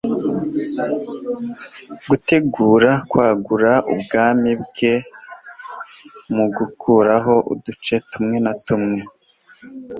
guteganya kwagura ubwami bwe, mugerekaho uduce tumwe na tumwe